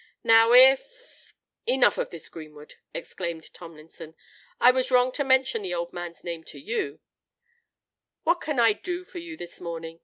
Now, if——" "Enough of this, Greenwood!" exclaimed Tomlinson. "I was wrong to mention the old man's name to you.—What can I do for you this morning?